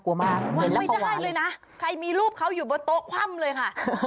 ไม่ได้เลยนะใครมีรูปเขาอยู่บนโต๊ะคว่ำเลยค่ะ